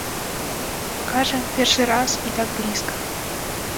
Кажа, першы раз і так блізка!